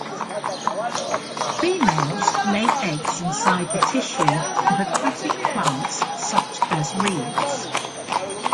Females lay eggs inside the tissue of aquatic plants such as reeds.